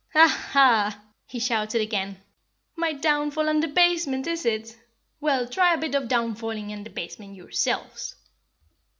"Ha, ha!" he shouted again. "My downfall and debasement is it? Well, try a bit of downfalling and debasement yourselves."